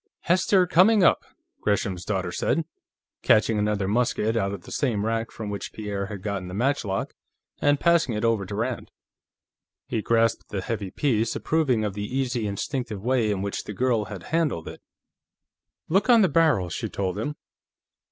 "Hester coming up," Gresham's daughter said, catching another musket out of the same rack from which Pierre had gotten the matchlock and passing it over to Rand. He grasped the heavy piece, approving of the easy, instinctive way in which the girl had handled it. "Look on the barrel," she told him.